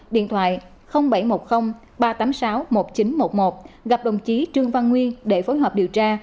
điện thoại bảy trăm một mươi ba trăm tám mươi sáu một nghìn chín trăm một mươi một gặp đồng chí trương văn nguyên để phối hợp điều tra